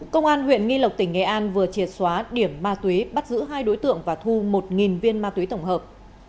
công an huyện nghi lộc tỉnh nghệ an vừa triệt xóa điểm ma túy bắt giữ hai đối tượng và thu một viên ma túy tổng hợp